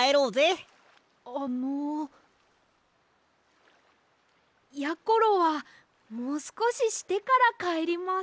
あのやころはもうすこししてからかえります。